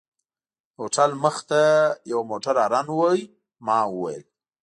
د هوټل مخې ته یوه موټر هارن وواهه، ما وویل.